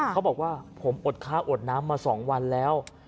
เขาบอกว่าผมอดข้าวอดน้ำมา๒วันแล้ว